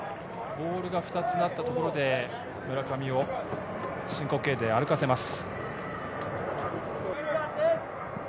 ボールが２つになったところで、村上を申告敬遠で歩かせます。